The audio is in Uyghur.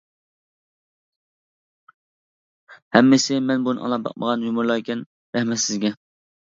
ھەممىسى مەن بۇرۇن ئاڭلاپ باقمىغان يۇمۇرلار ئىكەن، رەھمەت سىزگە!